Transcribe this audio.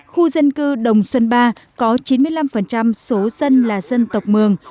khu dân cư đồng xuân ba có chín mươi năm số dân là dân tộc mường